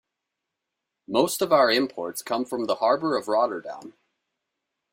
Most of our imports come from the harbor of Rotterdam.